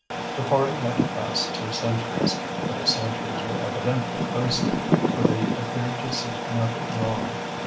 The party had to pass two sentries, but the sentries were evidently posted, for they appeared to see nothing wrong.